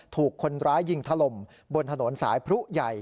ถูกคนร้ายยิงถล่มบนถนนสายพรุใหญ่